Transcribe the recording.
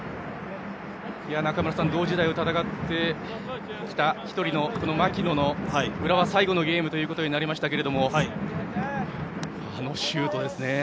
中村さん同時代を戦ってきた１人の槙野の浦和最後のゲームとなりましたけどあのシュートですよ。